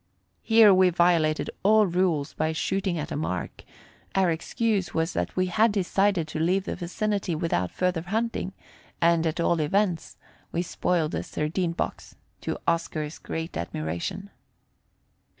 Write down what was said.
Here we violated all rules by shooting at a mark our excuse was that we had decided to leave the vicinity without further hunting; and, at all events, we spoiled a sardine box, to Oscar's great admiration.